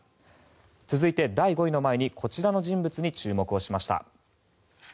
続いて第５位の前にこちらの人物に注目をしました。